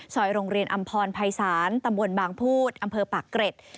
โรงเรียนอำพรภัยศาลตำบลบางพูดอำเภอปากเกร็ด